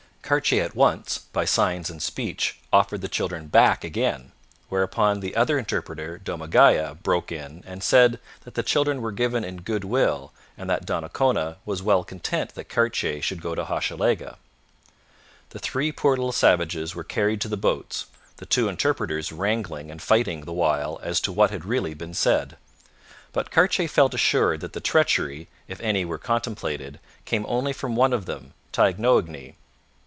Cartier at once, by signs and speech, offered the children back again, whereupon the other interpreter, Domagaya, broke in and said that the children were given in good will, and that Donnacona was well content that Cartier should go to Hochelaga. The three poor little savages were carried to the boats, the two interpreters wrangling and fighting the while as to what had really been said. But Cartier felt assured that the treachery, if any were contemplated, came only from one of them, Taignoagny.